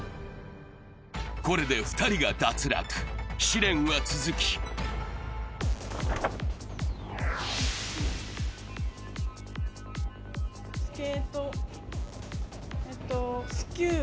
これで２人が脱落試練は続き「Ｋ」？